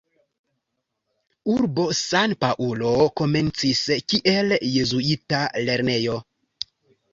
Urbo San-Paŭlo komencis kiel jezuita lernejo.